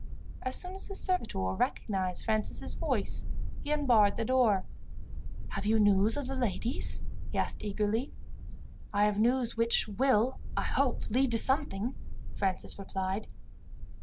As soon as the servitor recognized Francis' voice, he unbarred the door. "Have you news of the ladies?" he asked eagerly. "I have news which will, I hope, lead to something," Francis replied.